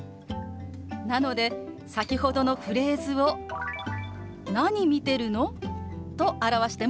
なので先ほどのフレーズを「何見てるの？」と表してもＯＫなんですよ。